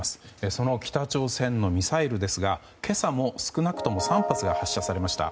その北朝鮮のミサイルですが今朝も少なくとも３発が発射されました。